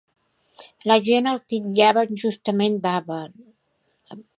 La gent el titllava injustament d'avar.